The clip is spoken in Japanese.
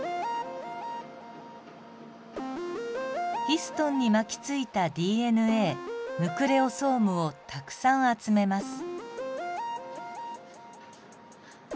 ヒストンに巻きついたＤＮＡヌクレオソームをたくさん集めます。